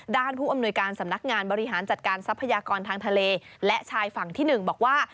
ผู้อำนวยการสำนักงานบริหารจัดการทรัพยากรทางทะเลและชายฝั่งที่๑บอกว่า